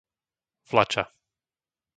Vlača